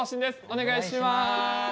お願いします。